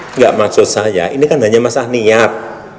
enggak maksud saya ini kan hanya masalah niat